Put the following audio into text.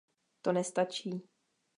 To nestačí.